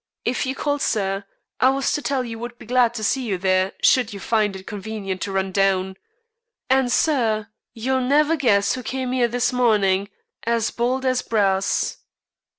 If you called, sir, I was to tell you 'e would be glad to see you there should you find it convenient to run down. And, sir, you'll never guess who came 'ere this morning, as bold as brass."